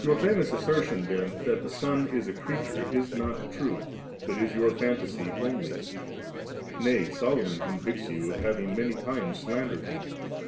Your ftmous assertion then, that tht Son Is a creature, is not true, but is your fantasy only; najr Solomon convicts you of having manv times slandered him.